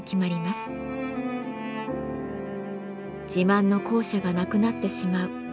自慢の校舎が無くなってしまう。